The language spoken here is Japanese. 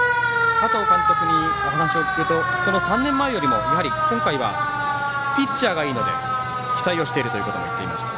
加藤監督にお話を聞くと３年前よりも今回はピッチャーがいいので期待をしていると話していました。